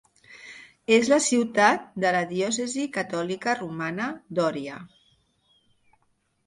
És la ciutat de la diòcesi catòlica romana d'Oria.